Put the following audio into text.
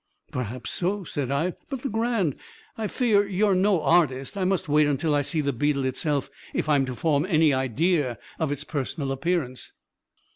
"Perhaps so," said I; "but, Legrand, I fear you are no artist. I must wait until I see the beetle itself, if I am to form any idea of its personal appearance."